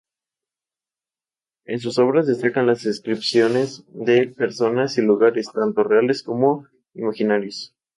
Actualmente es el secretario, organizador y entrenador de la Federación Paraguaya de Atletismo.